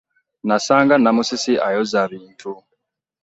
Nasanga Namusisi ayoza bintu.